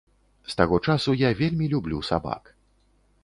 З таго часу я вельмі люблю сабак.